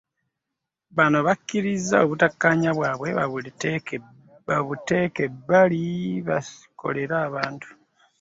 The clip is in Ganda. Bano bakkirizza obutakkaanya bwabwe okubuteeka ebbali bakolere abantu